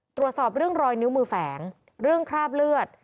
ตรวจสอบเรื่องรอยนิ้วมือแฝงเรื่องคราบเลือด